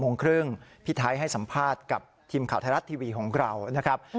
โมงครึ่งพี่ไทยให้สัมภาษณ์กับทีมข่าวไทยรัฐทีวีของเรานะครับ